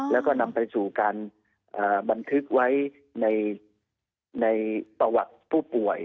แล้วก็นำไปสู่การบันทึกไว้ในประวัติผู้ป่วย